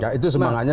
nah karena melihat itu